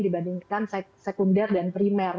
dibandingkan sekunder dan primer